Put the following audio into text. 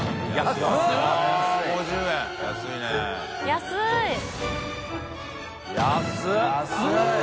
安い。